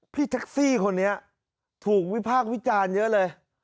พี่แท็กซี่คนนี้ถูกวิพากษ์วิจารณ์เยอะเลย